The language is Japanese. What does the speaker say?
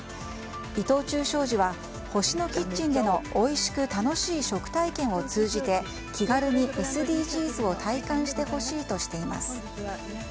伊藤忠商事は「星のキッチン」でのおいしく楽しい食体験を通じて気軽にＳＤＧｓを速報です。